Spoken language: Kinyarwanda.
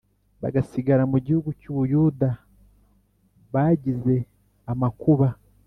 bagasigara mu gihugu cy u buyuda bagize amakubaa